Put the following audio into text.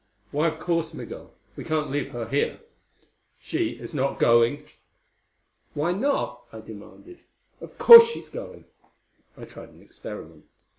"Why, of course, Migul. We can't leave her here." "She is not going." "Why not?" I demanded. "Of course she's going." I tried an experiment.